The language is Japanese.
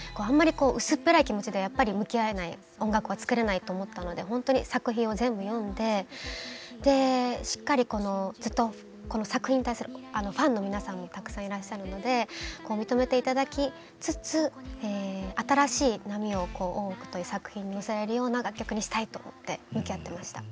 こう薄っぺらい気持ちでやっぱり向き合えない音楽は作れないと思ったのでほんとに作品を全部読んでしっかりこの作品に対するファンの皆さんもたくさんいらっしゃるので認めて頂きつつ新しい波を「大奥」という作品に載せられるような楽曲にしたいと思って向き合ってました。